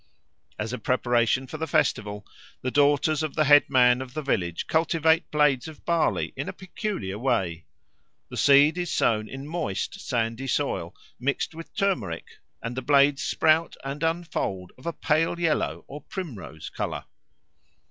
As a preparation for the festival, the daughters of the headman of the village cultivate blades of barley in a peculiar way. The seed is sown in moist, sandy soil, mixed with turmeric, and the blades sprout and unfold of a pale yellow or primrose colour.